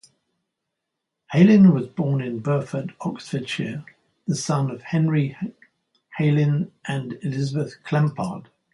Heylyn was born in Burford, Oxfordshire, the son of Henry Heylyn and Elizabeth Clampard.